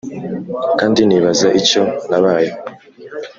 kandi nibaza icyo nabaye.